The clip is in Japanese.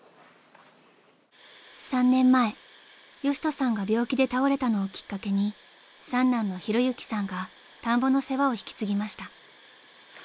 ［３年前代志人さんが病気で倒れたのをきっかけに三男の浩之さんが田んぼの世話を引き継ぎました］